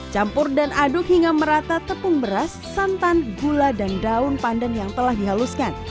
campur dan aduk hingga merata tepung beras santan gula dan daun pandan yang telah dihaluskan